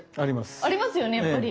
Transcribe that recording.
ありますよねやっぱり。